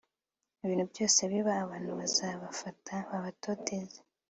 bintu byose biba abantu bazabafata babatoteze